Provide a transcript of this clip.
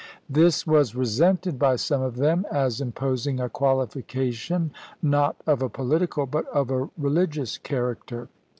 This was resented by some of them as imposing a qualifica tion not of a political but of a religious character.